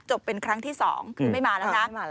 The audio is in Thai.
เป็นครั้งที่๒คือไม่มาแล้วนะ